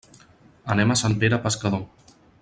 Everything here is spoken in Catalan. Anem a Sant Pere Pescador.